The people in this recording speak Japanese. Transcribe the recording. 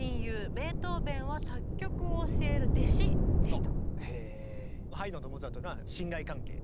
ベートーベンは作曲を教える弟子でした。